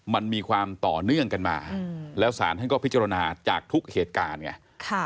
มันมีความต่อเนื่องกันมาแล้วศาลท่านก็พิจารณาจากทุกเหตุการณ์ไง